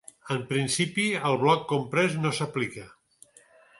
En principi, el bloc compres no s'aplica.